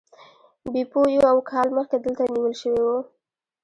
بیپو یو کال مخکې دلته نیول شوی و.